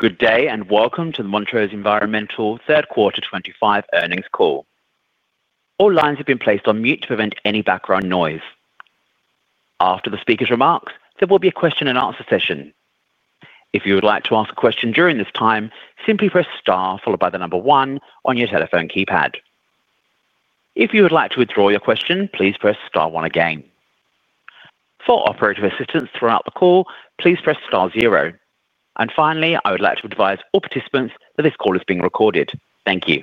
Good day and welcome to the Montrose Environmental third quarter 2025 earnings call. All lines have been placed on mute to prevent any background noise. After the speaker's remarks, there will be a question and answer session. If you would like to ask a question during this time, simply press star followed by the number one on your telephone keypad. If you would like to withdraw your question, please press star one again. For operator assistance throughout the call, please press star zero. Finally, I would like to advise all participants that this call is being recorded. Thank you.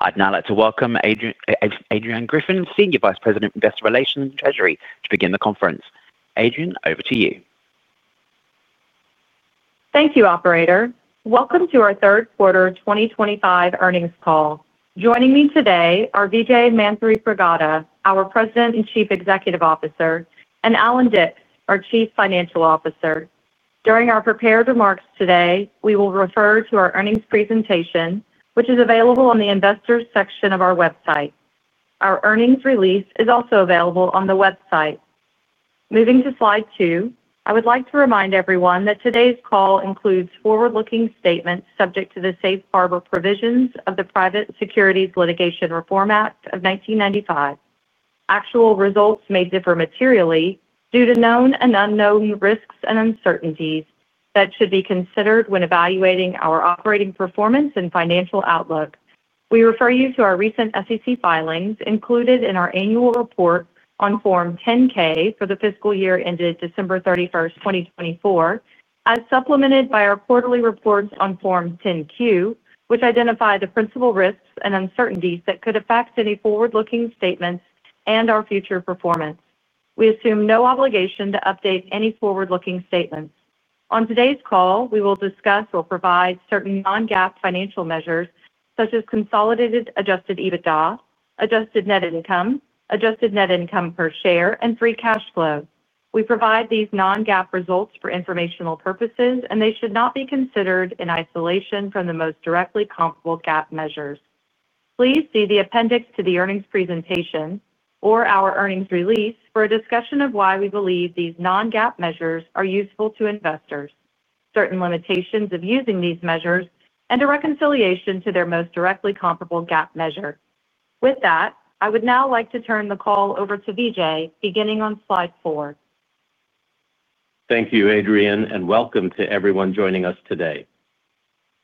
I would now like to welcome Adrianne Griffin, Senior Vice President, Investor Relations and Treasury, to begin the conference. Adrianne, over to you. Thank you, operator. Welcome to our third quarter 2025 earnings call. Joining me today are Vijay Manthripragada, our President and Chief Executive Officer, and Allan Dicks, our Chief Financial Officer. During our prepared remarks today, we will refer to our earnings presentation which is available on the Investors section of our website. Our earnings release is also available on the website. Moving to slide two, I would like to remind everyone that today's call includes forward looking statements subject to the safe harbor provisions of the Private Securities Litigation Reform act of 1995. Actual results may differ materially due to known and unknown risks and uncertainties that should be considered when evaluating our operating performance and financial outlook. We refer you to our recent SEC filings included in our Annual Report on Form 10-K for the fiscal year ended December 31st, 2024, as supplemented by our Quarterly Reports on Form 10-Q which identify the principal risks and uncertainties that could affect any forward looking statements and our future performance. We assume no obligation to update any forward looking statements. On today's call, we will discuss or provide certain non-GAAP financial measures such as consolidated adjusted EBITDA, adjusted net income, adjusted net income per share and free cash flow. We provide these non-GAAP results for informational purposes and they should not be considered in isolation from the most directly comparable GAAP measures. Please see the appendix to the earnings presentation or our earnings release for a discussion of why we believe these non-GAAP measures are useful to investors, certain limitations of using these measures and a reconciliation to their most directly comparable GAAP measure. With that, I would now like to turn the call over to Vijay beginning on Slide 4. Thank you, Adrianne and welcome to everyone joining us today.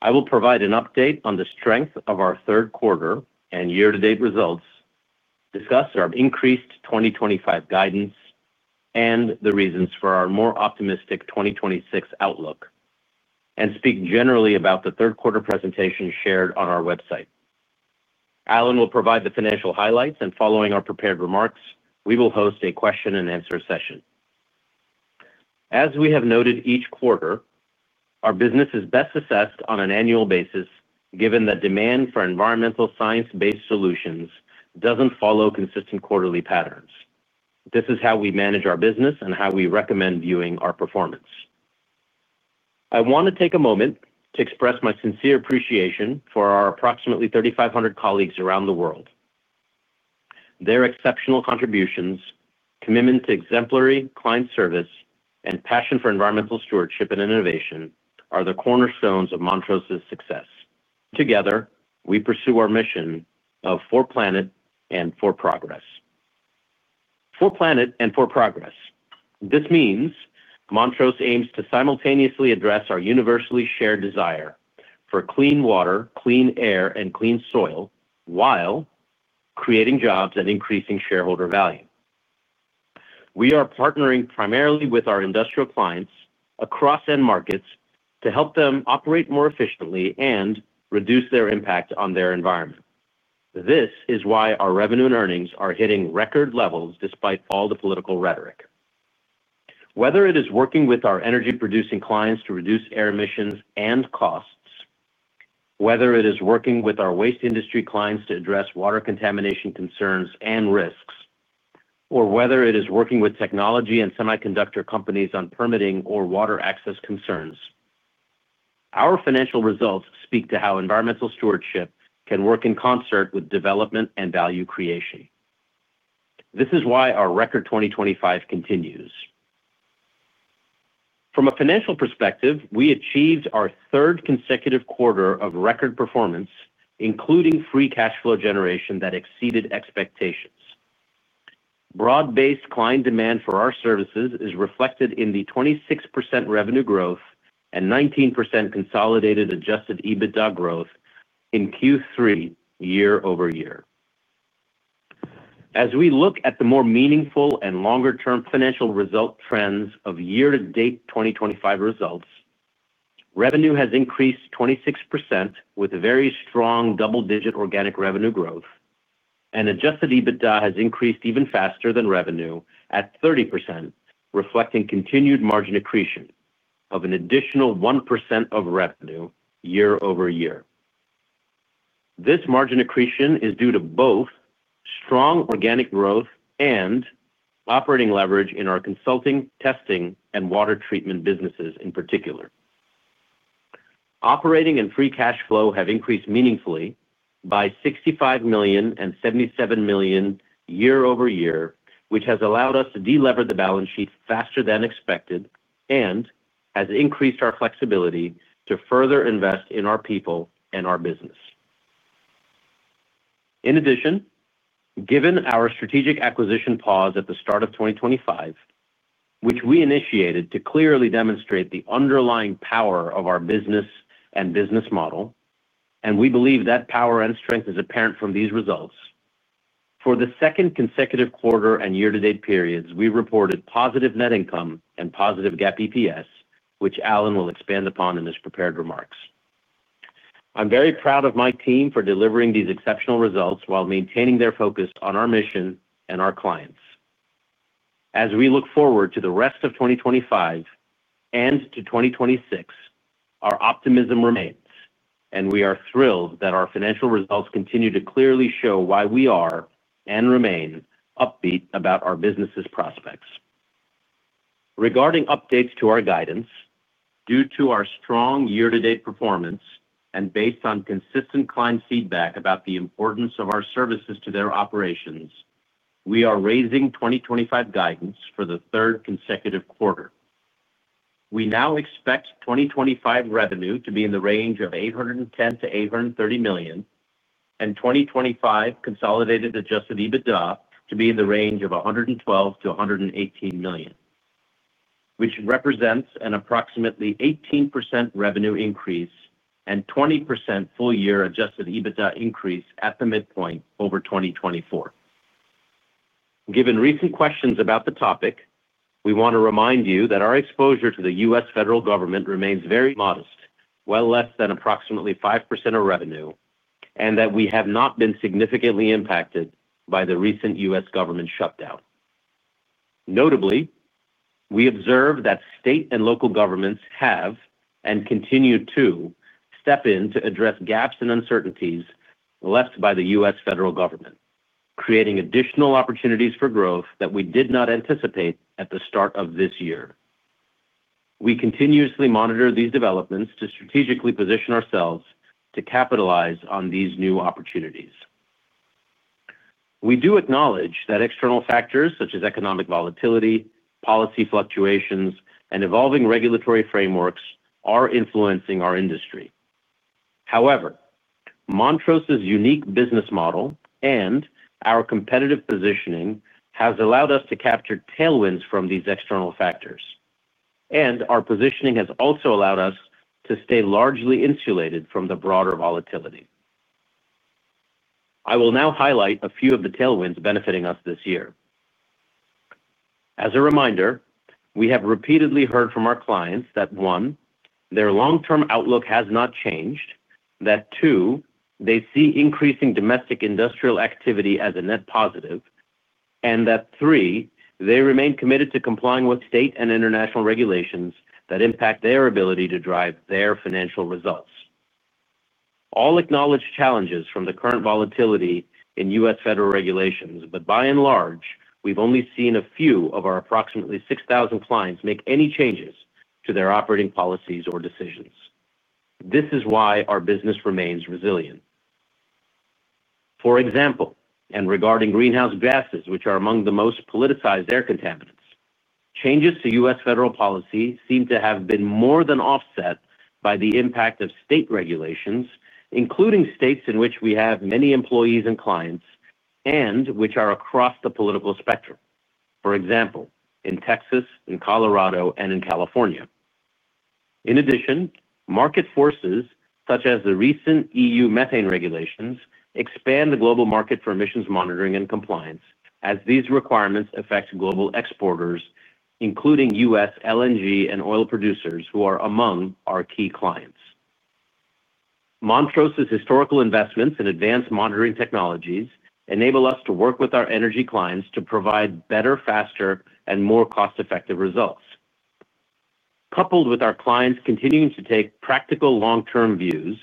I will provide an update on the strength of our third quarter and year to date results, discuss our increased 2025 guidance and the reasons for our more optimistic 2026 outlook and speak generally about the third quarter presentation shared on our website. Alan will provide the financial highlights and following our prepared remarks, we will host a question and answer session. As we have noted, each quarter our business is best assessed on an annual basis. Given that demand for environmental science based solutions doesn't follow consistent quarterly patterns, this is how we manage our business and how we recommend viewing our performance. I want to take a moment to express my sincere appreciation for our approximately 3,500 colleagues around the world. Their exceptional contributions, commitment to exemplary client service and passion for environmental stewardship and innovation are the cornerstones of Montrose's success. Together, we pursue our mission of For Planet and For Progress. This means Montrose aims to simultaneously address our universally shared desire for clean water, clean air and clean soil while creating jobs and increasing shareholder value. We are partnering primarily with our industrial clients across end markets to help them operate more efficiently and reduce their impact on their environment. This is why our revenue and earnings are hitting record levels despite all the political rhetoric. Whether it is working with our energy producing clients to reduce air emissions and costs, whether it is working with our waste industry clients to address water contamination concerns and risks, or whether it is working with technology and semiconductor companies on permitting or water access concerns, our financial results speak to how environmental stewardship can work in concert with development and value creation. This is why our record 2025 continues from a financial perspective. We achieved our third consecutive quarter of record performance including free cash flow generation that exceeded expectations. Broad based client demand for our services is reflected in the 26% revenue growth and 19% consolidated adjusted EBITDA growth in Q3 year-over-year. As we look at the more meaningful and longer term financial result trends of year to date 2025 results revenue has increased 26% with very strong double digit organic revenue growth and adjusted EBITDA has increased even faster than revenue at 30% reflecting continued margin accretion of an additional 1% of revenue year-over-year. This margin accretion is due to both strong organic growth and operating leverage in our consulting, testing and Water Treatment businesses. In particular, operating and free cash flow have increased meaningfully by $65 million and $77 million year-over-year, which has allowed us to delever the balance sheet faster than expected and has increased our flexibility to further invest in our people and our business. In addition, given our strategic acquisition pause at the start of 2025 which we initiated to clearly demonstrate the underlying power of our business and business model, and we believe that power and strength is apparent from these results for the second consecutive quarter and year to date periods. We reported positive net income and and positive GAAP eps, which Alan will expand upon in his prepared remarks. I'm very proud of my team for delivering these exceptional results while maintaining their focus on our mission and our clients. As we look forward to the rest of 2025 and to 2026, our optimism remains and we are thrilled that our financial results continue to clearly show why we are and remain upbeat about our business's prospects. Regarding updates to our guidance due to our strong year to date performance and based on consistent client feedback about the importance of our services to their operations, we are raising 2025 guidance for the third consecutive quarter. We now expect 2025 revenue to be in the range of $810 million-$830 million and 2025 consolidated adjusted EBITDA to be in the range of $112 million-$118 million, which represents an approximately 18% revenue increase and 20% full year adjusted EBITDA increase at the midpoint over 2024. Given recent questions about the topic, we want to remind you that our exposure to the U.S. Federal government remains very modest, well less than approximately 5% of revenue, and that we have not been significantly impacted by the recent U.S. Government shutdown. Notably, we observe that state and local governments have and continue to step in to address gaps and uncertainties left by the U.S. Federal government, creating additional opportunities for growth that we did not anticipate. At the start of this year. We continuously monitor these developments to strategically position ourselves to capitalize on these new opportunities. We do acknowledge that external factors such as economic volatility, policy fluctuations, and evolving regulatory frameworks are influencing our industry. However, Montrose's unique business model and our competitive positioning has allowed us to capture tailwinds from these external factors, and our positioning has also allowed us to stay largely insulated from the broader volatility. I will now highlight a few of the tailwinds benefiting us this year. As a reminder, we have repeatedly heard from our clients that 1 their long term outlook has not changed, that 2 they see increasing domestic industrial activity as a net positive, and that three they remain committed to complying with state and international regulations that impact their ability to drive their financial results. All acknowledge challenges from the current volatility in U.S. Federal regulations, but by and large, we've only seen a few of our approximately 6,000 clients make any changes to their operating policies or decisions. This is why our business remains resilient. For example, and regarding Greenhouse Gases, which are among the most politicized air contaminants, changes to U.S. Federal policy seem to have been more than offset by the impact of state regulations, including states in which we have many employees and clients and which are across the political spectrum, for example in Texas, in Colorado and in California. In addition, market forces such as the recent EU Methane Regulations expand the global market for emissions monitoring and compliance as these requirements affect global exporters including U.S. LNG and oil producers who are among our key clients. Montrose's historical investments in advanced monitoring technologies enable us to work with our energy clients to provide better, faster and more cost effective results. Coupled with our clients continuing to take practical long term views,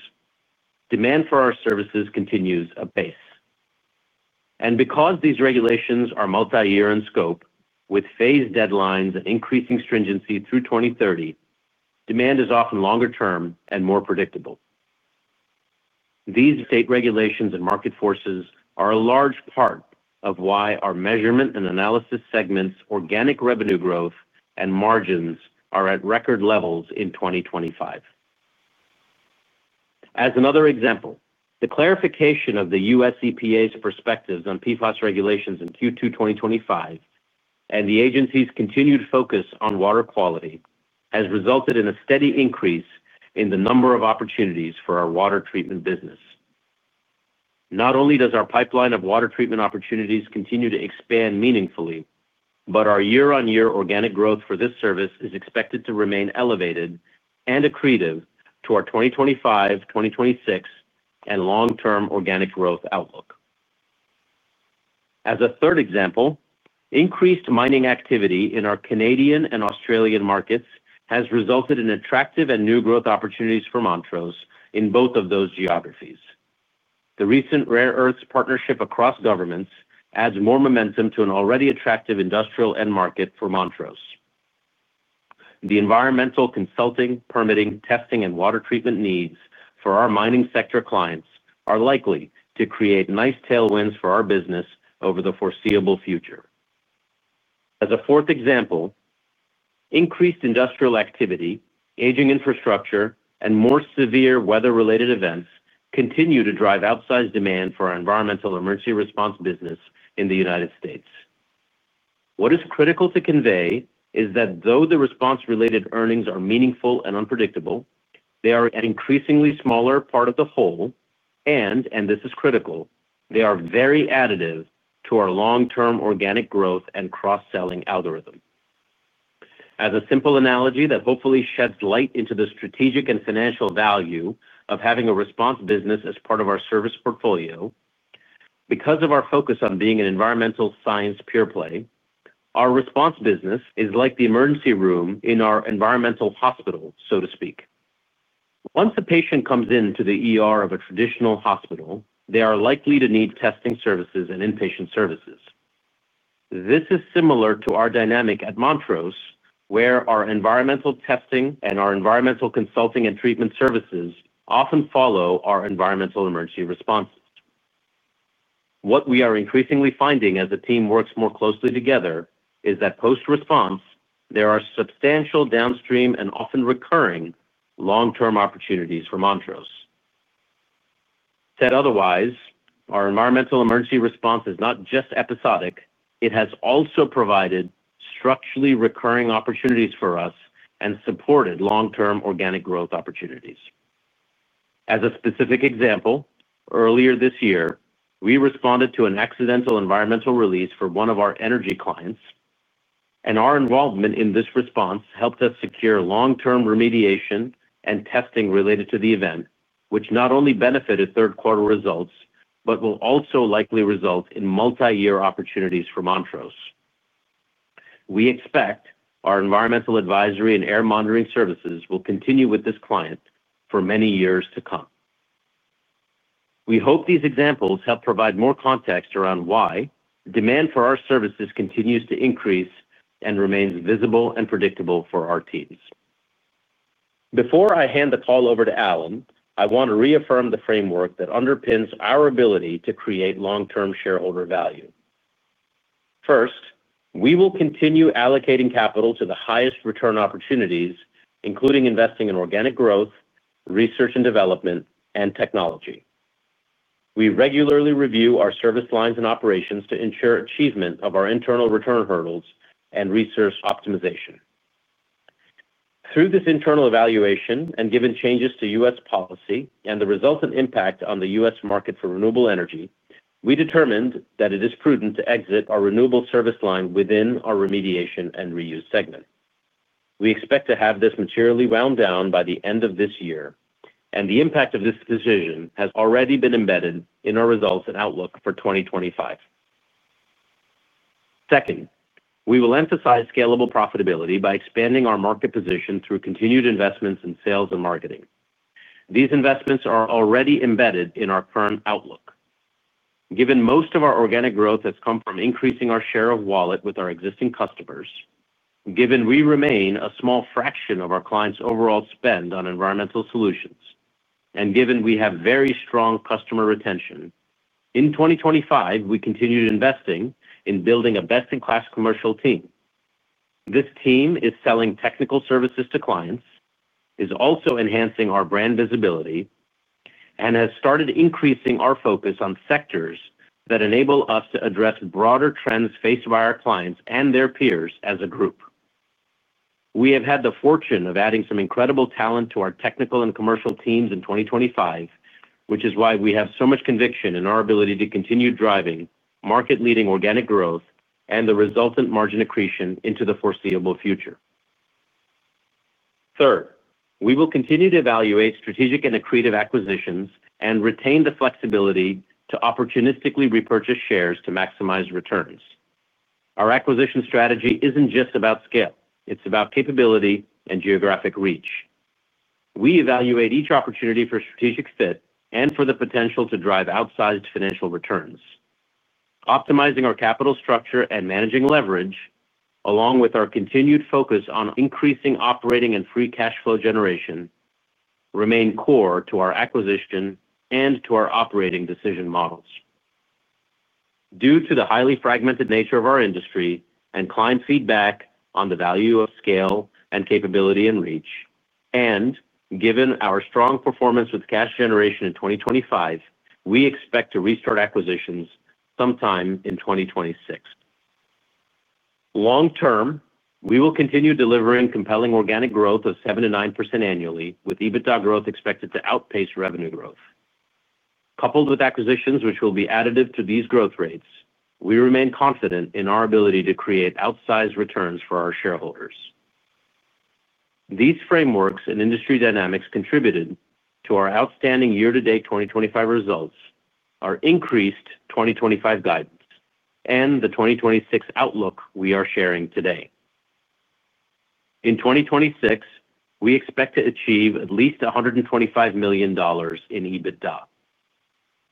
demand for our services continues apace. Because these regulations are multi year in scope with phased deadlines increasing stringency through 2030, demand is often longer term and more predictable. These state regulations and market forces are a large part of why our measurement and analysis segments organic revenue growth and margins are at record levels in 2025. As another example, the clarification of the use EPA's Perspectives on PFAS Regulations in Q2 2025 and the agency's continued focus on water quality has resulted in a steady increase in the number of opportunities for our Water Treatment business. Not only does our pipeline of Water Treatment opportunities continue to expand meaningfully, but our year-on-year organic growth for this service is expected to remain elevated and accretive to our 2025, 2026 and long term organic growth outlook. As a third example, increased mining activity in our Canadian and Australian markets has resulted in attractive and new growth opportunities for Montrose. And in both of those geographies, the recent Rare Earths partnership across governments adds more momentum to an already attractive industrial end market for Montrose. The environmental consulting, permitting, testing and Water Treatment needs for our mining sector clients are likely to create nice tailwinds for our business over the foreseeable future. As a fourth example, increased industrial activity, aging infrastructure and more severe weather related events continue to drive outsized demand for our environmental emergency response business in the United States. What is critical to convey is that though the response related earnings are meaningful and unpredictable, they are an increasingly smaller part of the whole and and this is critical, they are very additive to our long term organic growth and Cross Selling algorithm. As a simple analogy that hopefully sheds light into the strategic and financial value of having a response business as part of our service portfolio. Because of our focus on being an environmental science pure play, our response business is like the emergency room in our environmental hospital, so to speak. Once a patient comes into the ER of a traditional hospital, they are likely to need testing services and inpatient services. This is similar to our dynamic at Montrose where our environmental testing and our environmental consulting and treatment services often follow our environmental emergency response. What we are increasingly finding as the team works more closely together is that post response there are substantial downstream and often recurring long term opportunities for Montrose said otherwise. Our environmental emergency response is not just episodic, it has also provided structurally recurring opportunities for us and supported long term organic growth opportunities. As a specific example, earlier this year we responded to an accidental environmental release for one of our energy clients and our involvement in this response helped us secure long term remediation and testing related to the event which not only benefited third quarter results but will also likely result in multi year opportunities for Montrose. We expect our environmental advisory and air monitoring services will continue with this client for many years to come. We hope these examples help provide more context around why demand for our services continues to increase and remains visible and predictable for our teams. Before I hand the call over to Allan, I want to reaffirm the framework that underpins our ability to create long term shareholder value. First, we will continue allocating capital to the highest return opportunities including investing in organic growth, research and development and technology. We regularly review our service lines and operations to ensure achievement of our internal return hurdles and resource optimization. Through this internal evaluation and given changes to U.S. policy and the resultant impact on the U.S. Market for renewable energy, we determined that it is prudent to exit our renewable service line within our remediation and reuse segment. We expect to have this materially wound down by the end of this year and the impact of this decision has already been embedded in our results and outlook for 2025. Second, we will emphasize scalable profitability by expanding our market position through continued investments in sales and marketing. These investments are already embedded in our current outlook given most of our organic growth has come from increasing our share of wallet with our existing customers. Given we remain a small fraction of our clients overall spend on environmental solutions and given we have very strong customer retention in 2025 we continued investing in building a best in class commercial team. This team is selling technical services to clients, is also enhancing our brand visibility and has started increasing our focus on sectors that enable us to address broader trends faced by our clients and their peers. As a group, we have had the fortune of adding some incredible talent to our technical and commercial teams in 2025, which is why we have so much conviction in our ability to continue driving market leading organic growth and the resultant margin accretion into the foreseeable future. Third, we will continue to evaluate strategic and accretive acquisitions and retain the flexibility to opportunistically repurchase shares to maximize returns. Our acquisition strategy isn't just about scale, it's about capability and geographic reach. We evaluate each opportunity for strategic fit and for the potential to drive outsized financial returns. Optimizing our capital structure and managing leverage, along with our continued focus on increasing operating and free cash flow generation remain core to our acquisition and to our operating decision models. Due to the highly fragmented nature of our industry and client, feedback on the value of scale and capability and reach, and given our strong performance with cash generation in 2025, we expect to restart acquisitions sometime in 2026. Long term, we will continue delivering compelling organic growth of 7%-9% annually with EBITDA growth expected to outpace revenue growth. Coupled with acquisitions which will be additive to these growth rates, we remain confident in our ability to create outsized returns for our shareholders. These frameworks and industry dynamics contributed to our outstanding year to date 2025 results, our increased 2025 guidance and the 2026 outlook we are sharing today. In 2026 we expect to achieve at least $125 million in EBITDA.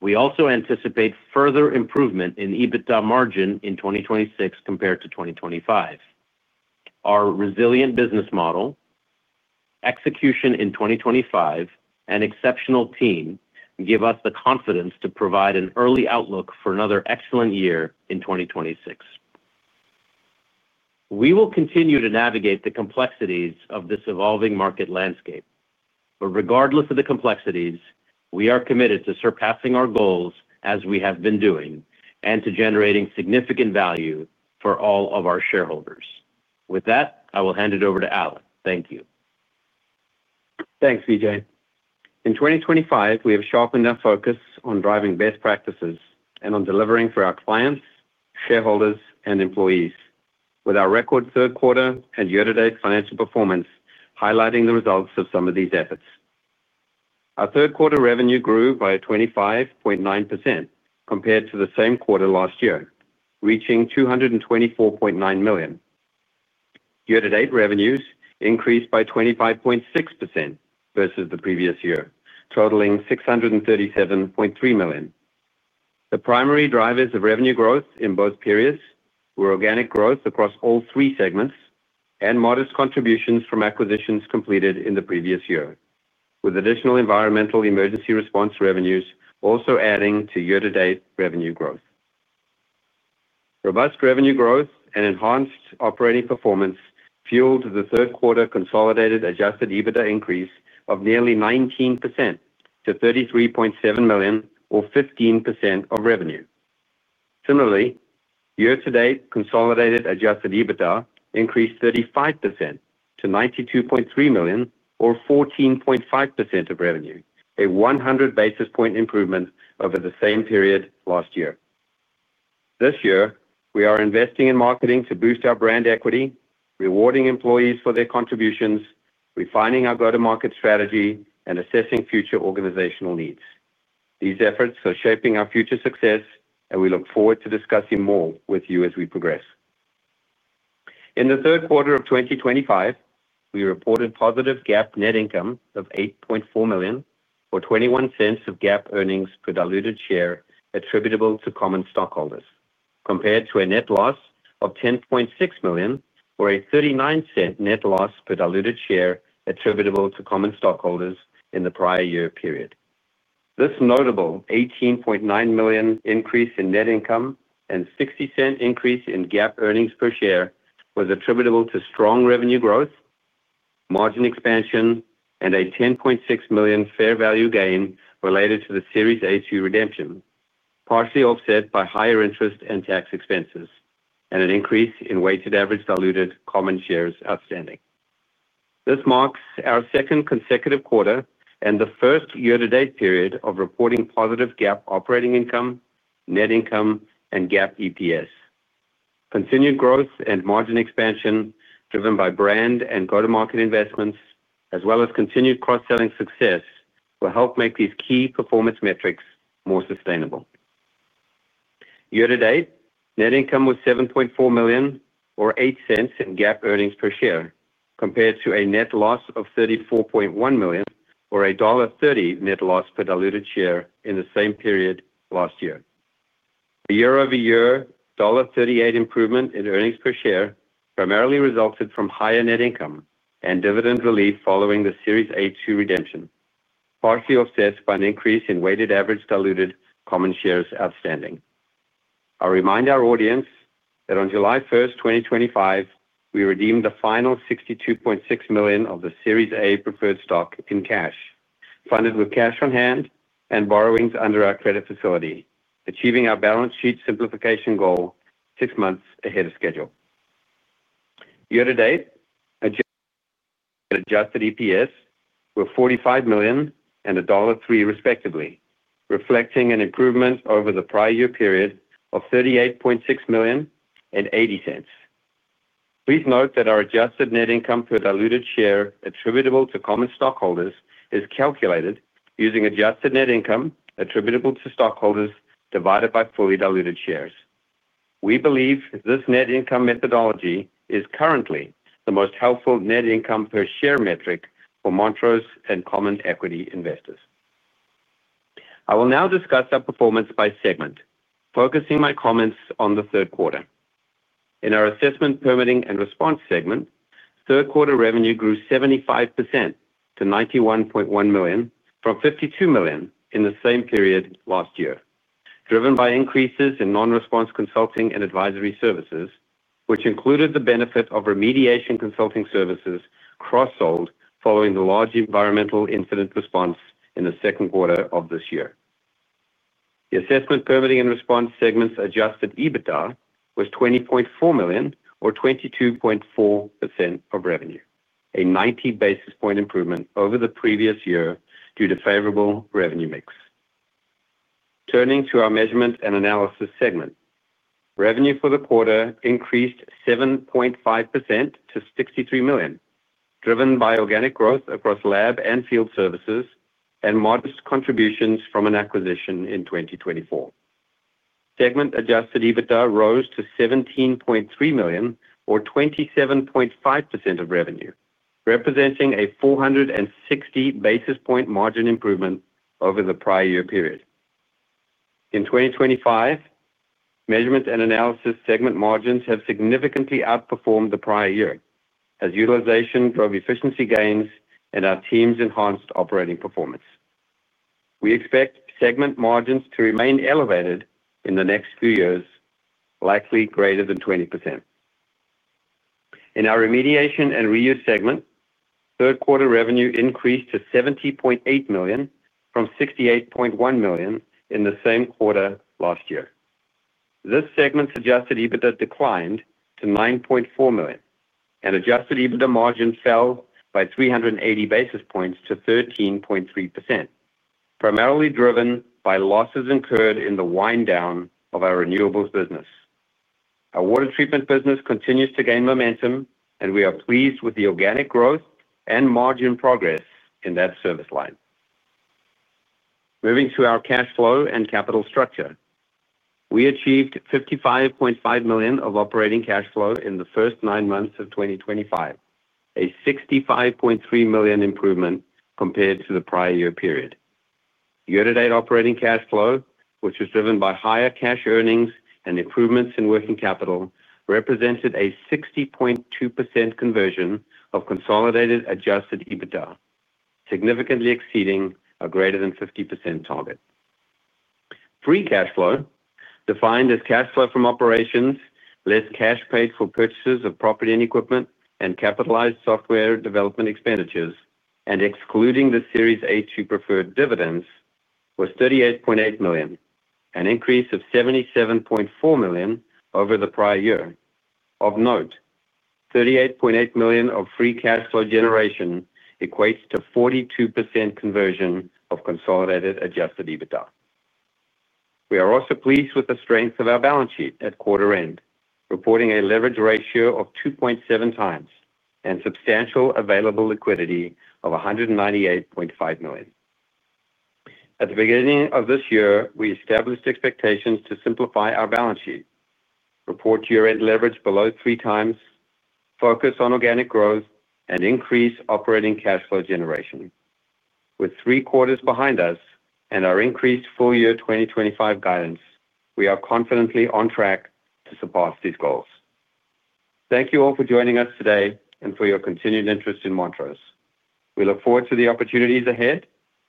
We also anticipate further improvement in EBITDA margin in 2026 compared to 2025. Our resilient business model execution in 2025 and exceptional team give us the confidence to provide an early outlook for another excellent year in 2026. We will continue to navigate the complexities of this evolving market landscape. But regardless of the complexities, we are committed to surpassing our goals as we have been doing and to generating significant value for all of our shareholders. With that, I will hand it over to Allan. Thank you. Thanks Vijay. In 2025 we have sharpened our focus on driving best practices and on delivering for our clients, shareholders and employees with our record third quarter and year to date financial performance. Highlighting the results of some of these efforts, our third quarter revenue grew by 25.9% compared to the same quarter last year reaching $224.9 million. Year to date revenues increased by 25.6% versus the previous year totaling $637.3 million. The primary drivers of revenue growth in both periods were organic growth across all three segments and modest contributions from acquisitions completed in the previous year with additional environmental emergency response revenues also adding to year to date revenue growth. Robust revenue growth and enhanced operating performance fueled the third quarter consolidated adjusted EBITDA increase of nearly 19% to $33.7 million or 15% of revenue. Similarly, year to date consolidated adjusted EBITDA increased 35% to $92.3 million or 14.5% of revenue, a 100 basis point improvement over the same period last year. This year we are investing in marketing to boost our brand equity, rewarding employees for their contributions, refining our go to market strategy and assessing future organizational needs. These efforts are shaping our future success and we look forward to discussing more with you as we Progress. In the third quarter of 2025 we reported positive GAAP net income of $8.4 million or $0.21 of GAAP earnings per diluted share attributable to common stockholders compared to a net loss of 10.6 million or a $0.39 net loss per diluted share attributable to common stockholders in the prior year period. This notable $18.9 million increase in net income and $0.60 increase in GAAP earnings per share was attributable to strong revenue growth, margin expansion and a 10.6 million fair value gain related to the Series A2 redemption, partially offset by higher interest and tax expenses and an increase in weighted average diluted common shares outstanding. This marks our second consecutive quarter and the first year to date period of reporting positive GAAP operating income, net income and GAAP eps. Continued growth and margin expansion driven by brand and go to market investments as well as continued Cross Selling success will help make these key performance metrics more sustainable. Year to date net income was $7.4 million or $0.08 in GAAP earnings per share compared to a Net loss of $34.1 million or $1.3 net loss per diluted share in the same period last year. A year-over-year, $38 improvement in earnings per share primarily resulted from higher net income and dividend relief following the Series A two redemption, partially offset by an increase in weighted average diluted common shares outstanding. I remind our audience that on July 1, 2025 we redeemed the final $62.6 million of the series A preferred stock in cash funded with cash on hand and borrowings under our credit facility, achieving our balance sheet simplification goal six months ahead of schedule. Year to date adjusted EPS were $45 million and $1.03 respectively, reflecting an improvement over the prior year period of $38.6 million and $0.80. Please note that our adjusted net income per diluted share attributable to common stockholders is calculated using adjusted net income attributable to stockholders divided by fully diluted shares. We believe this net income methodology is currently the most helpful net income per share metric for Montrose and common equity investors. I will now discuss our performance by segment focusing my Comments on the third quarter in our assessment, Permitting and Response segment, third quarter revenue grew 75% to $91.1 million from $52 million in the same period last year, driven by increases in non response consulting and advisory services which included the benefit of remediation consulting services cross sold following the large environmental incident response. In the second quarter of this year, the assessment, permitting and response segments adjusted EBITDA was $20.4 million or 22.4% of revenue, a 90 basis point improvement over the previous year due to favorable revenue mix. Turning to our measurement and analysis, segment revenue for the quarter increased 7.5% to $63 million driven by organic growth across lab and field services and modest contributions from an acquisition. In 2024, segment adjusted EBITDA rose to $17.3 million or 27.5% of revenue, representing a 460 basis point margin improvement over the prior year period. In 2025, measurement and analysis segment margins have significantly outperformed the prior year as utilization drove efficiency gains and our teams enhanced operating performance. We expect segment margins to remain elevated in the next few years, Likely greater than 20% in our remediation and reuse segment, third quarter revenue increased to $70.8 million from $68.1 million in the same quarter last year. This segment's adjusted EBITDA declined to $9.4 million and adjusted EBITDA margin fell by 380 basis points to 13.3%, primarily driven by losses incurred in the wind down of our renewables business. Our Water Treatment business continues to gain momentum and we are pleased with the organic growth and margin progress in that service line. Moving to our cash flow and capital structure, we achieved $55.5 million of operating cash flow in the first nine months of 2025, a $65.3 million improvement compared to the prior year period. Year to date operating cash flow, which was driven by higher cash earnings and improvements in working capital, represented a 60.2% conversion of consolidated adjusted EBITDA, significantly exceeding a greater than 50% target. Free cash flow, defined as cash flow from operations, less cash paid for purchases of property and equipment and capitalized software development expenditures and excluding the Series A2 preferred dividends was $38.8 million, an increase of $77.4 million over the prior year. Of note, 38.8 million of free cash flow generation equates to 42% conversion of consolidated adjusted EBITDA. We are also pleased with the strength of our balance sheet at quarter end reporting a leverage ratio of 2.7x and substantial available liquidity of $198.5 million. At the beginning of this year we established expectations to simplify our balance sheet report year end leverage below three times, focus on organic growth and increase operating cash flow generation. With 3 quarter behind us and our increased full year 2025 guidance, we are confidently on track to surpass these goals. Thank you all for joining us today and for your continued interest in Montrose. We look forward to the opportunities ahead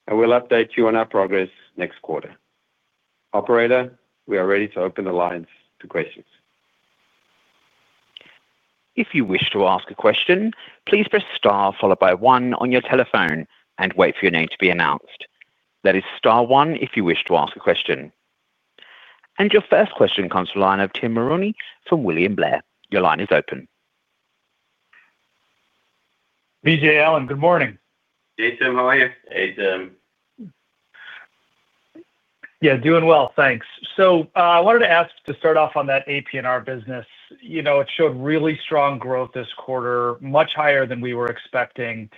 and we'll update you on our progress next quarter. Operator we are ready to open the lines to questions. If you wish to ask a question, please press star followed by one on your telephone and wait for your name to be announced. That is star one. If you wish to ask a question and your first question comes from the line of Tim Mulrooney from William Blair, your line is open. Vijay Allen, good morning. Hey Tim, how are you? Hey Tim. Yeah, doing well, thanks. So I wanted to ask to start. Off on that APNR business, you know it showed really strong growth this quarter, much higher than we were expecting.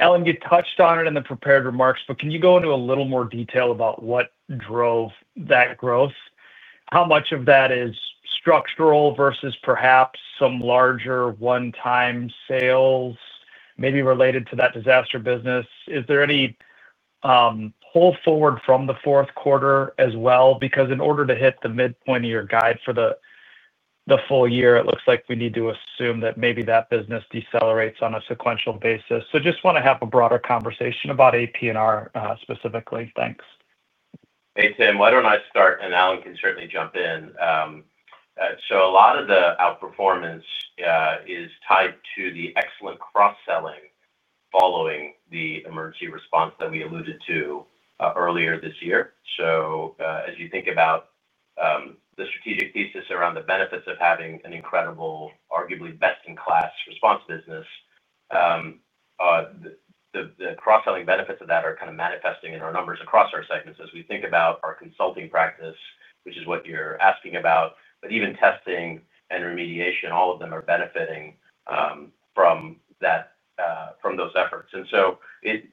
Allen, you touched on it in the prepared remarks, but can you go into a little more detail about what drove that growth? How much of that is structural versus perhaps some larger one time sales maybe related to that disaster business? Is there any pull forward from the fourth quarter as well? Because in order to hit the midpoint of your guide for the full year, it looks like we need to assume that maybe that business decelerates on a sequential basis. So just want to have a broader conversation about APNR specifically. Thanks. Hey Tim, why don't I start and. Allan can certainly jump in. So a lot of the outperformance is tied to the excellent Cross Selling following the emergency response that we alluded to earlier this year. So as you think about the strategic thesis around the benefits of having an incredible arguably best in class response business, the Cross Selling benefits of that are kind of manifesting in our numbers across our segments as we think about our consulting practice, which is what you're asking about. But even testing and remediation, all of them are benefiting from that, from those efforts. And so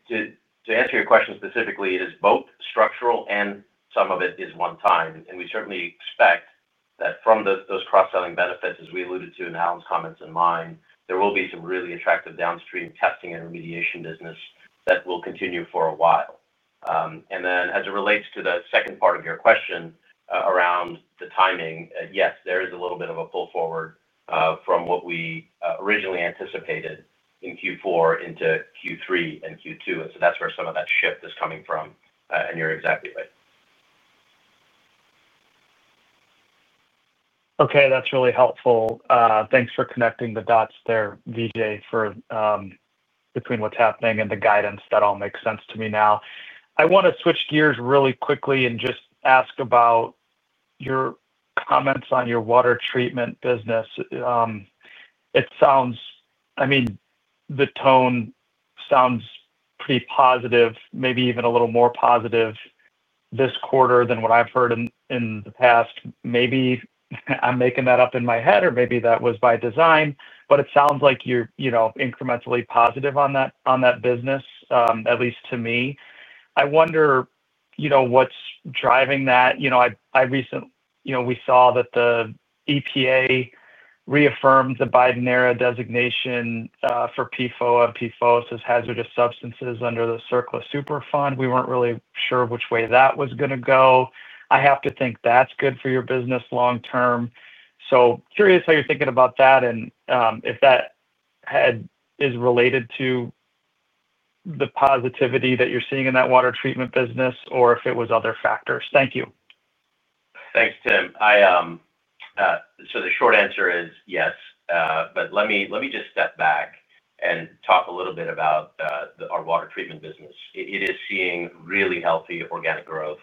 to answer your question specifically, it is both structural and some of it is one time. And we certainly expect that from those Cross Selling benefits as we alluded to in Alan's comments and mine, there will be some really attractive downstream testing and remediation business that will continue for a while. And then as it relates to the second part of your question around the timing, yes there is a little bit of a pull forward from what we originally anticipated in Q4 into Q3 and Q2. And so that's where some of that shift is coming from. And you're exactly right. Okay, that's really helpful. Thanks for connecting the dots there, Vijay. For between what's happening and the guidance that all makes sense to me now, I want to switch gears really quickly and just ask about your comments on your Water Treatment business. It sounds, I mean, the tone sounds pretty positive, maybe even a little more positive this quarter than what I've heard in the past. Maybe I'm making that up in my head or maybe that was by design, but it sounds like you're, you know, incrementally positive on that, on that business, at least to me. I wonder, you know, what's driving that. You know, I, I recently, you know, we saw that the EPA reaffirmed the Biden era designation for PFOA, PFOs as hazardous substances under the CERCLA Super Fund. We weren't really sure which way that was going to go. I have to think that's good for your business long term. So curious how you're thinking about that and if that head is related to the positivity that you're seeing in that Water Treatment business or if it was other factors. Thank you. Thanks, Tim. So the short answer is yes, but let me just step back and talk a little bit about our Water Treatment business. It is seeing really healthy organic growth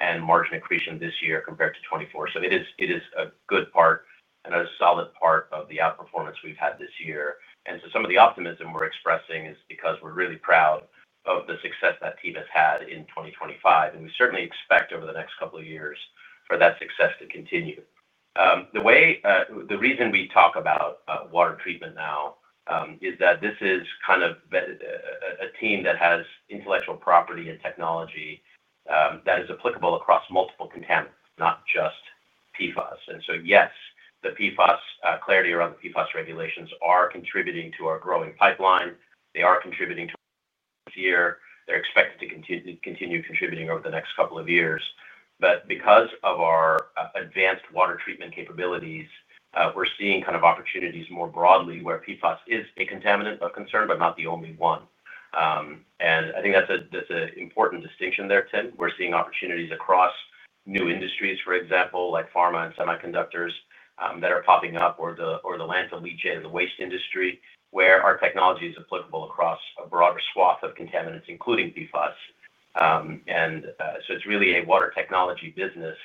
and margin accretion this year compared to 2024. So it is a good part and a solid part of the outperformance we've had this year. And so some of the optimism we're expressing is because we're really proud of the success that team has had in 2025, and we certainly expect over the next couple of years for that success to continue. The reason we talk about Water Treatment now is that this is kind of a team that has intellectual property and technology that is applicable across multiple contaminants, not just PFAs. And so, yes, the PFAS clarity around the PFAS regulations are contributing to our growing pipeline. They are contributing to this year. They're expected to continue to continue contributing over the next couple of years. But because of our advanced Water Treatment capabilities, we're seeing kind of opportunities more broadly where PFAS is a contaminant of. Concern, but not the only one. And I think that's a, that's an important distinction there. 10 we're seeing opportunities across new industries, for example, like pharma and semiconductors, that are popping up or the, or the land of leache and the waste industry, where our technology is applicable across a broader swath of contaminants, including PFAS. And so it's really a water technology business.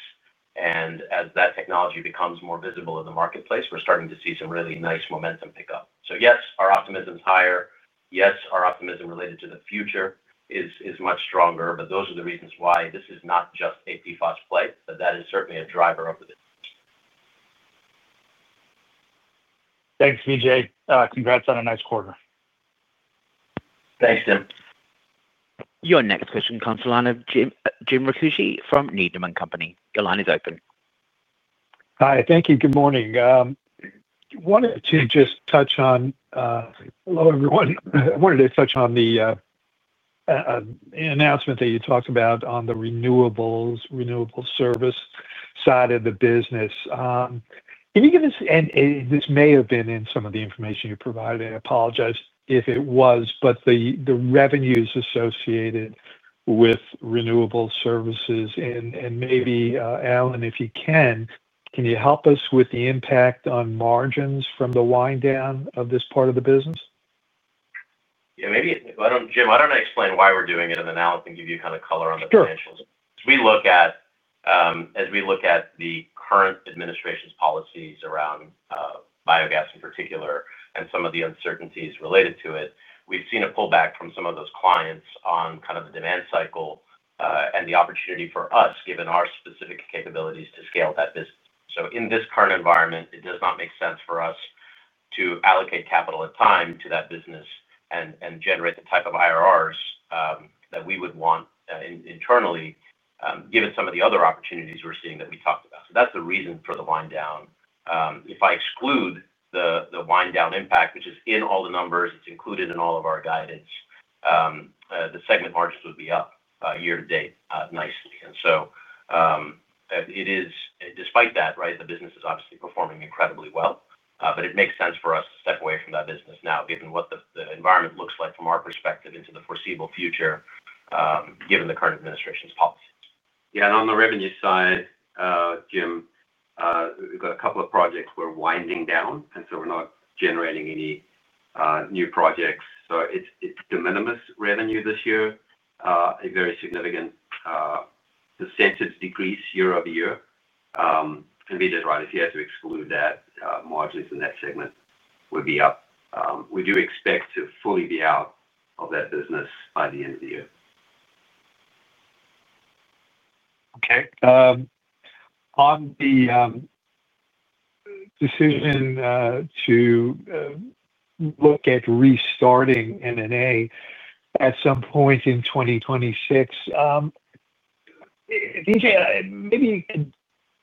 And as that technology becomes more visible in the marketplace, we're starting to see some really nice momentum pick up. So yes, our optimism is higher, yes, our optimism related to the future is much stronger. But those are the reasons why this is not just a PFAS play, but that is certainly a driver of the business. Thanks, Vijay. Congrats on a nice quarter. Thanks, Tim. Your next question comes the line of Jim Ricchiuti from Needham & Company. Your line is open. Hi. Thank you. Good morning. Wanted to just touch on. Hello everyone. I wanted to touch on the announcement that you talked about on the renewables, renewable service side of the business. Can you give us, and this may have been in some of the information you provided. I apologize if it was, but the revenues associated with renewable services and maybe Allan, if you can, can you help us with the impact on margins from the wind down of this part of the business? Yeah, maybe. Jim, why don't I explain why we're. Doing it and then Allan, give you kind of color on the potential we look at, as we look at the current administration's policies around biogas in particular and some of the uncertainties related to it, we've seen a pullback from some of those clients on kind of the demand cycle and the opportunity for us, given our specific capabilities, to scale that business. So in this current environment, it does not make sense for us to allocate capital and time to that business and generate the type of IRRs that we would want internally given some of the other opportunities we're seeing that we talked about. So that's the reason for the wind down. If I exclude the wind down impact, which is in all the numbers, it's included in all of our guidance, the segment margins would be up year to date nicely. And so it is despite that. Right. The business is obviously performing incredibly well, but it makes sense for us to step away from that business now, given what the environment looks like from our perspective into the foreseeable future, given the current administration's policy. Yeah. And on the revenue side, Jim, we've got a couple of projects we're winding down and so we're not generating any new projects. So it's de minimis revenue this year. A very significant percentage decrease year over year. Right. If you had to exclude that margins in that segment would be up. We do Expect to fully be out of that business by the end of the year. Okay. On the. Decision to look at restarting NNA at some point in 2026, Vijay maybe you can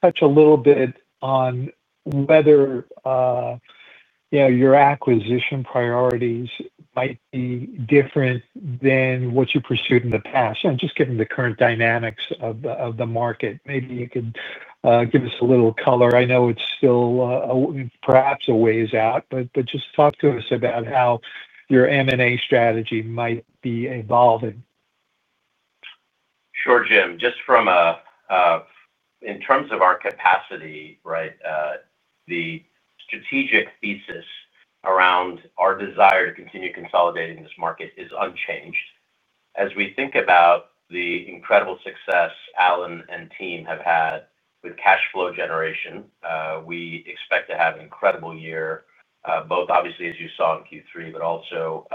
touch a little bit on whether, you know, your acquisition priorities might be different than what you pursued in the past. And just given the current dynamics of the market, maybe you could give us a little color. I know it's still perhaps a ways out, but just talk to us about how your M&A strategy might evolving. Sure, Jim. Just from in terms of our capacity, right. The strategic thesis around our desire to continue consolidating this market is unchanged. As we think about the incredible success. Alan and team have had with cash. Flow generation, we expect to have an incredible year both obviously, as you saw in Q3, but also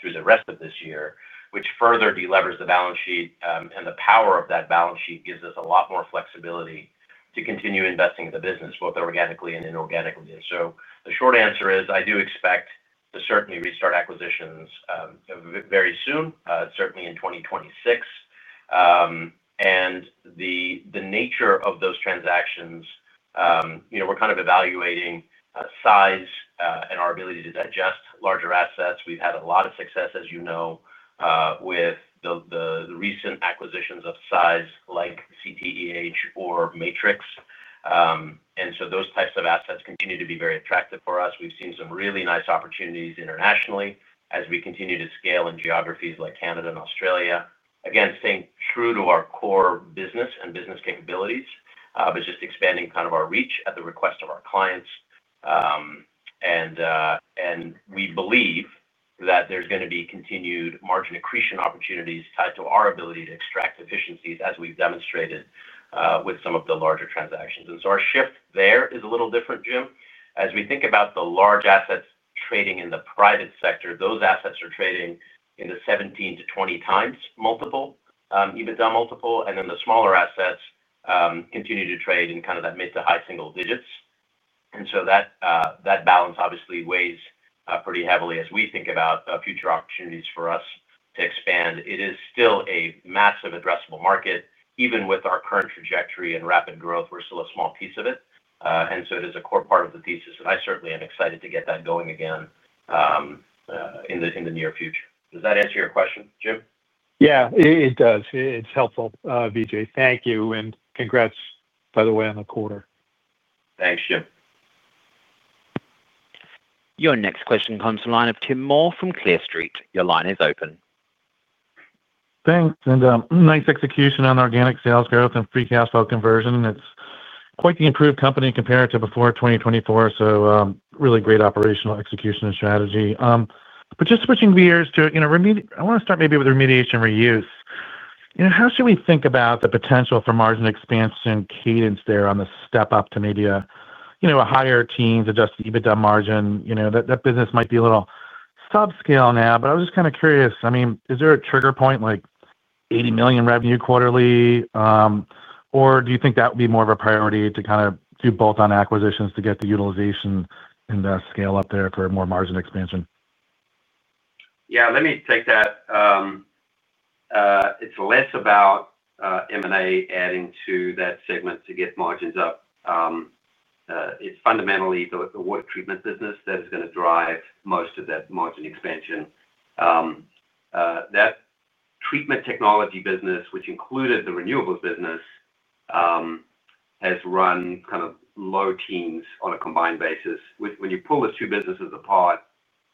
through the rest of this year, which further deleverage the balance sheet and the power of that balance sheet gives us a lot more flexibility to continue investing in the business both organically and inorganically. So the short answer is I do expect to certainly restart acquisitions very soon, certainly in 2026 and the nature of those transactions. You know, we're kind of evaluating size and our ability to digest larger assets. We've had a lot of success, as you know, with the recent acquisitions of size like CTEH or Matrix. And so those types of assets continue to be very attractive for us. We've seen some really nice opportunities internationally as we continue to scale in geographies like Canada and Australia, again staying true to our core business and business capabilities, but just expanding kind of our reach at the request of our clients. And we believe that there's going to be continued margin accretion opportunities tied to our ability to extract efficiencies, as we've demonstrated with some of the larger transactions. And so our shift there is a little different, Jim, as we think about the large assets trading in the private sector, those assets are trading in the 17x-20x multiple, EBITDA multiple. And then the smaller assets continue to trade in kind of that mid to high single-digits. And so that that balance obviously weighs pretty heavily as we think about future opportunities for us to expand. It is still a massive addressable market. Even with our current trajectory and rapid growth, we're still a small piece of it. And so it is a core part of the thesis and I certainly am excited to get that going again in the in the near future. Does that answer your question, Jim? Yeah, it does. It's helpful. Vijay, thank you. And congrats by the way, on the quarter. Thanks, Jim. Your next question comes from line of. Tim Moore from Clear Street. Your line is open. Thanks. And nice execution on organic sales growth and free cash flow conversion. It's quite the improved company compared to before 2024. So really great operational execution and strategy. But just switching gears to, you know, I want to start maybe with remediation, reuse, you know, how should we think about the potential for margin expansion cadence there on the step up to maybe a, you know, a higher teens adjusted EBITDA margin? You know that business might be a little subscale now, but I was just kind of curious. I mean is there a trigger point like 80 million revenue quarterly or do you think that would be more of a priority to kind of do bolt on acquisitions to get the utilization and scale up there for more margin expansion? Yeah, let me take that. It's less about M&A adding to that segment to get margins up. It's fundamentally the work Treatment business that is going to drive most of that margin expansion. That treatment technology business, which included the renewables business has run kind of low teens on a combined basis. When you pull the two businesses apart,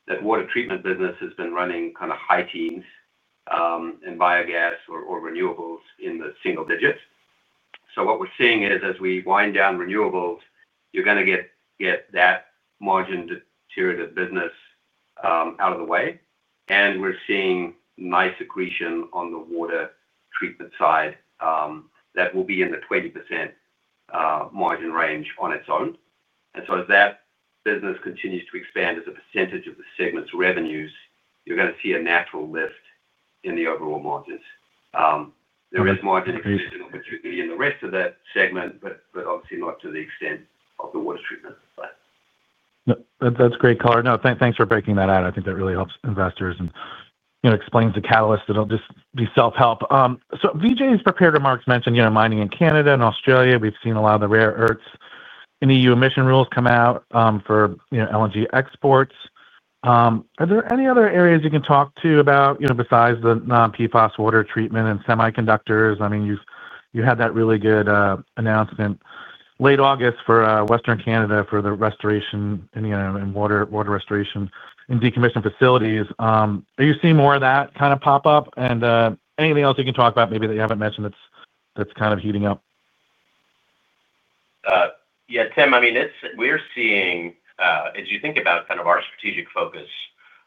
that Water Treatment business has been running kind of high teens in biogas or renewables in the single digits. So what we're seeing is as we wind down renewables, you're going to get that margin deteriorated business out of the way. And we're seeing nice accretion on the Water Treatment side that will be in the 20% margin range on its own. And so that business continues to expand as a percentage of the segment's revenues. You're going to see a natural lift in the overall margins. There is margin exposure opportunity in the rest of that segment, but obviously not to the extent of the water treatment. That's great Carney. No, thanks for breaking that out. I think that really helps investors and you know, explains the catalyst. That'll just be self help. So Vijay's prepared remarks mentioned, you know, mining in Canada and Australia. We've seen a lot of the rare earths and EU emission rules come out for, you know, LNG exports. Are there any other areas you can talk to about, you know, besides the non PFAS Water Treatment and semiconductors? I mean you, you had that really good announcement late August for Western Canada for the restoration and you know, in water, water restoration and decommissioned facilities. Are you seeing more of that kind of pop up and anything else you can talk about maybe that you haven't mentioned that's, that's kind of heating up? Yeah, Tim, I mean it's. We're seeing as you think about kind of our strategic focus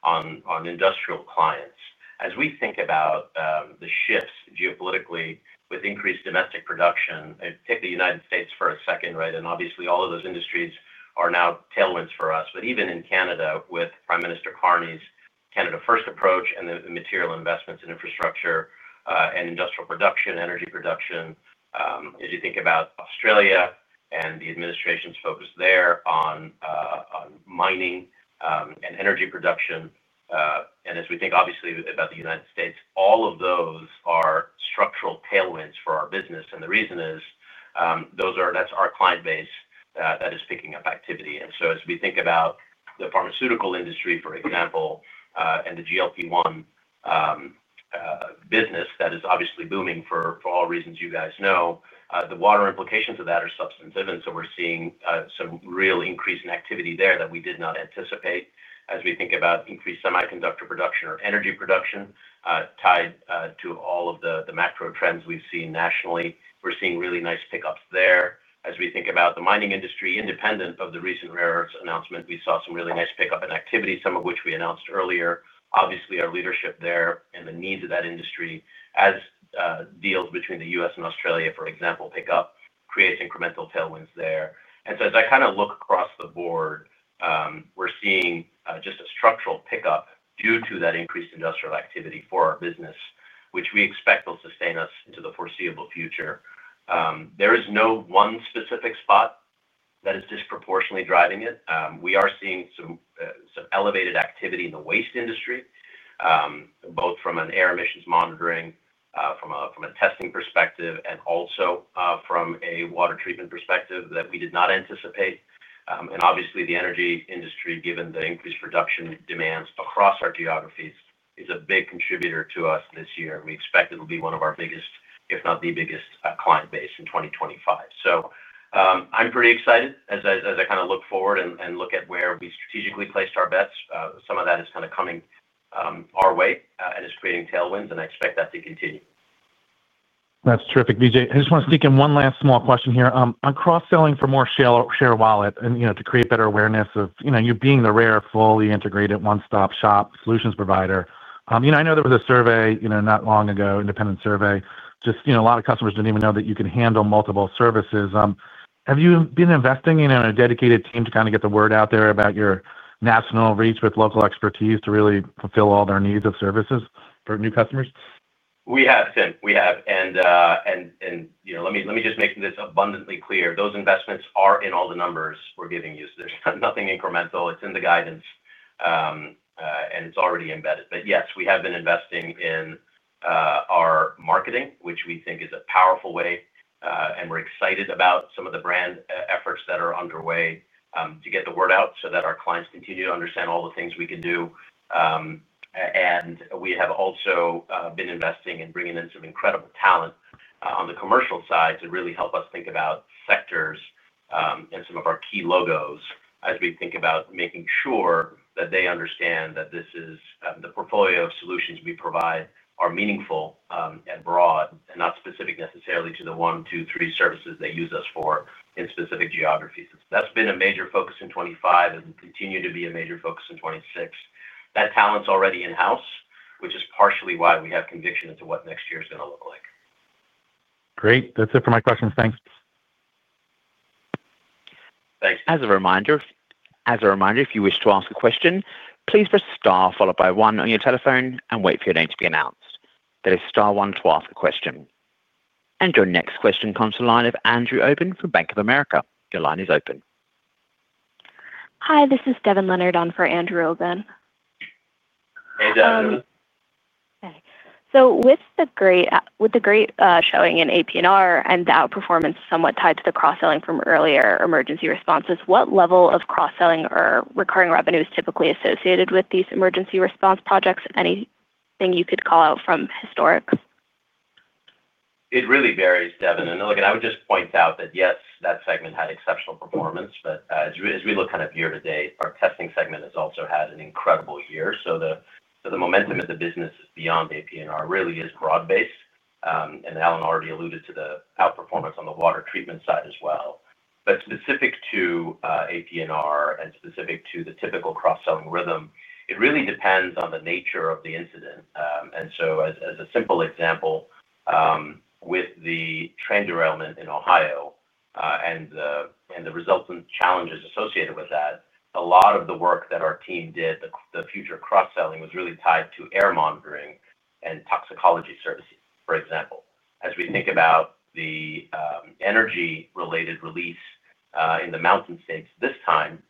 on, on industrial clients. As we think about the shifts geopolitically with increased domestic production. Take the United States for a second, right? And obviously all of those industries are now tailwinds for us. But even in Canada, with Prime Minister Carney's Canada first approach and the material investments in infrastructure and industrial production, energy production, as you think about Australia and the administration's focus there on mining and energy production, and as we think obviously about the United States, all of those are structural tailwinds for our business. And the reason is those are, that's our client base that is picking up activity. And so as we think about the pharmaceutical industry for example, and the GLP1 business that is obviously booming for all reasons, you guys know the water implications of that are substantive. And so we're seeing some real increase in activity there that we did not anticipate. As we think about increased semiconductor production or energy production tied to all of the macro trends we've seen nationally, we're seeing really nice pickups there. As we think about the mining industry, independent of the recent Rare Earths announcement, we saw some really nice pickup in activity, some of which we announced earlier. Obviously our leadership there and the needs of that industry as deals between the U.S. and Australia for example, pick up, creates incremental tailwinds there. And so as I kind of look. Across the board, we're seeing just a structural pickup due to that increased industrial activity for our business which we expect will sustain us into the foreseeable future. There is no one specific spot that is disproportionately driving it. We are seeing some elevated activity in the waste industry, both from an air emissions monitoring, from a testing perspective and also from a Water Treatment perspective that we did not anticipate. And obviously the energy industry, given the increased production demands across our geographies, is a big contributor to us this year. We expect it will be one of our biggest, if not the biggest client base in 2025. So I'm pretty excited as I kind of look forward and look at where we strategically placed our bets, some of that is kind of coming our way and is creating tailwinds. And I expect that to continue. That's terrific. Vijay. I just want to sneak in one last small question here on Cross Selling for more Share Wallet and you know, to create better awareness of, you know, you being the rare fully integrated one stop solutions provider. You know, I know there was a survey, you know, not long ago, independent survey, just, you know, a lot of customers didn't even know that you can handle multiple services. Have you been investing in a dedicated team to kind of get the word out there about your national reach with local expertise to really fulfill all their needs of services for new customers? We have, Tim, we have. And, and, and you know, let me, let me just make this abundantly clear. Those investments are in all the numbers we're giving you. So there's nothing incremental, it's in the guidance and it's already embedded. But yes, we have been investing in our marketing, which we think is a powerful way and we're excited about some of the brand efforts that are underway to get the word out so that our clients continue to understand all the things we can do. And we have also been investing and bringing in some incredible talent on the commercial side to really help us think about sectors and some of our key logos as we think about making sure that they understand that this is the portfolio of solutions we provide are meaningful and broad and not specific necessarily to the 1, 2, 3 services they use us for in specific geographies. That's been a major focus in 25 and continue to be a major focus in 26. That talent's already in house, which is partially why we have conviction into what next year is going to look like. Great. That's it for my questions. Thanks. As a reminder, if you wish to ask a question, please press star followed by one on your telephone and wait for your name to be announced. That is star one to ask a question. And your next question comes to line of Andrew Oban from Bank of America. Your line is open. Hi, this is Devin Leonard on for Andrew Oban. So with the great showing in APNR and the outperformance somewhat tied to the Cross Selling from earlier emergency responses, what level of Cross Selling or recurring revenue is typically associated with these emergency response projects? Anything you could call out from historic, it really varies. Devin and I would just point out that yes, that segment had exceptional performance. But as we look kind of year to date, our testing segment has also had an incredible year. So the, so the momentum of the business beyond APNR really is broad based and Allan already alluded to the outperformance on the Water Treatment side as well. But specific to APNR and specific to the typical Cross Selling rhythm, it really depends on the nature of the incident. And so as a simple example, with the train derailment in Ohio and the resultant challenges associated with that, a lot of the work that our team did, the future Cross Selling was really tied to air monitoring and toxicology services. For example, as we Think about the energy related release in the mountain states this time.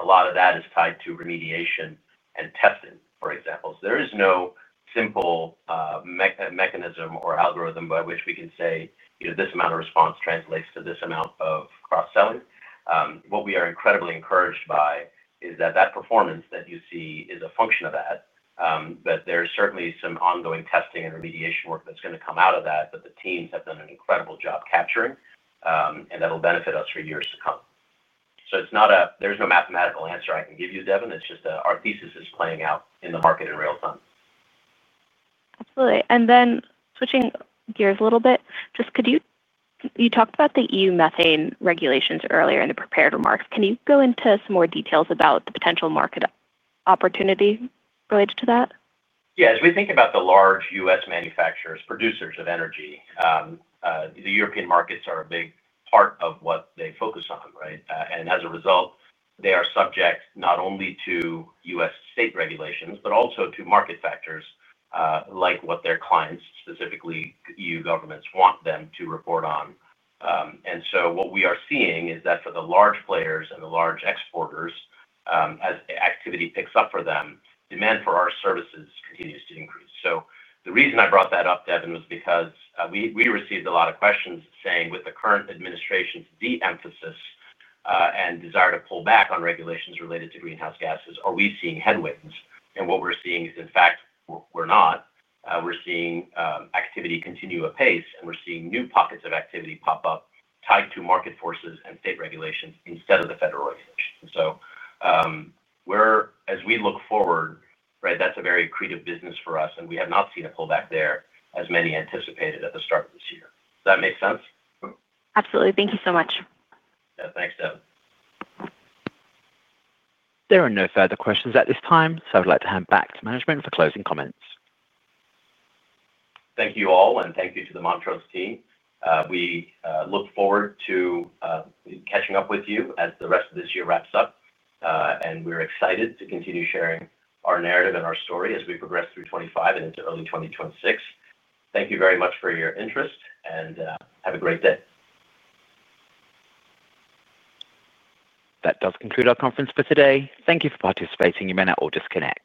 A lot of that is tied to remediation and testing. For example, there is no simple mechanism or algorithm by which we can say this amount of response translates to this amount of Cross Selling. What we are incredibly encouraged by is that that performance that you see is a function of that. But there's certainly some ongoing testing and remediation work that's going to come out of that. But the teams have done an incredible job capturing and that will benefit us for years to come. So it's not a. There's no mathematical answer I can give you, Devin. It's just our thesis is playing out. In the market in real time. Absolutely. And then switching gears a little bit, just could you. You talked about the EU methane regulations earlier in the prepared remarks. Can you go into some more details about the potential market opportunity related to that? Yeah. As we think about the large U.S. manufacturers, producers of energy, the European markets are a big part of what they focus on. Right. And as a result they are subject not only to U.S. State regulations, but also to market factors like what their clients, specifically EU governments, want them to report on. And so what we are seeing is that for the large players and the large exporters, as activity picks up for them, demand for our services continues to increase. So the reason I brought that up, Devin, was because we received a lot of questions saying with the current administration's de emphasis and desire to pull back on regulations related to greenhouse gases, are we seeing headwinds? And what we're seeing is in fact we're not. We're seeing activity continue apace and we're seeing new pockets of activity pop up tied to market forces and state regulations instead of the federal regulations. So we're as we look forward. Right. That's a very accretive business for us and we have not seen a pullback there as many anticipated at the start of this year. Does that make sense? Absolutely. Thank you so much. Thanks. Devin. There are no further questions at this time. So I would like to hand back to management for closing comments. Thank you all and thank you to the Montrose team. We look forward to catching up with you as the rest of this year wraps up and we're excited to continue sharing our narrative and our story as we progress through 2025 and into early 2026. Thank you very much for your interest and have a great day. That does conclude our conference for today. Thank you for participating. You may now all disconnect.